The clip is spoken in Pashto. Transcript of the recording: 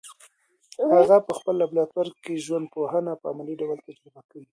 هغه په خپل لابراتوار کي ژوندپوهنه په عملي ډول تجربه کوي.